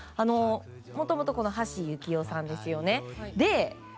もともと、橋幸夫さんですよね。